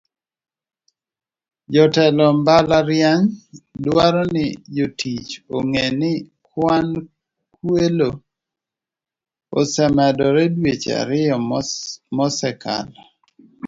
Jotelo mbalariany dwaro ni jotich ong'e ni kwan kwelo osemedore dweche ariyo mosekalo. "